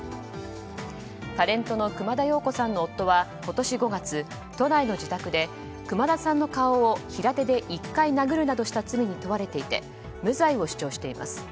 タレントの熊田曜子さんの夫は今年５月都内の自宅で熊田さんの顔を平手で１回殴るなどした罪に問われていて無罪を主張しています。